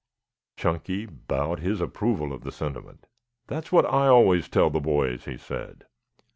Chunky bowed his approval of the sentiment. "That is what I always tell the boys," he said.